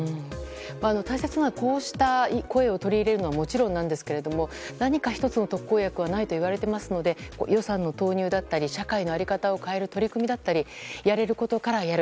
大切なのは、こうした声を取り入れるのはもちろんですが何か１つの特効薬はないと言われていますので予算の投入や社会の在り方を変える取り組みだったりやれることからやる。